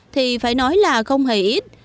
thì phải nói là không hề ít